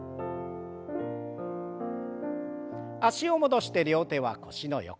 脚を戻して両手は腰の横。